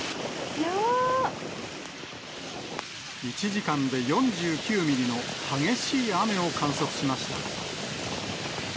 １時間で４９ミリの激しい雨を観測しました。